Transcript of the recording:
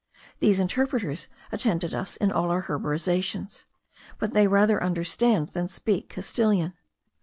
These interpreters attended us in all our herborizations; but they rather understand than speak Castilian.